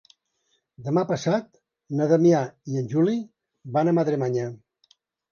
Demà passat na Damià i en Juli van a Madremanya.